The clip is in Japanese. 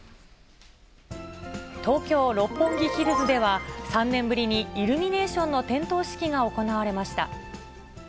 東京・六本木ヒルズでは、３年ぶりにイルミネーションの点灯式が行われました。